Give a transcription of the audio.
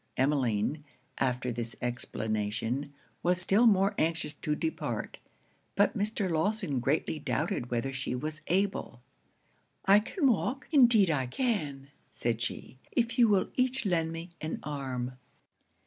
Emmeline, after this explanation, was still more anxious to depart; but Mr. Lawson greatly doubted whether she was able. 'I can walk, indeed I can,' said she, 'if you will each lend me an arm.'